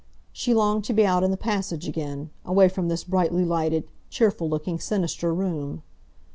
She longed to be out in the passage again, away from this brightly lighted, cheerful looking, sinister room.